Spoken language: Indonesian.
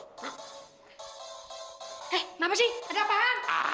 eh kenapa sih ada apaan